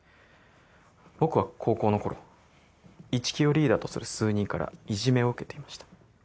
僕は高校の頃一木をリーダーとする数人からいじめを受けていました。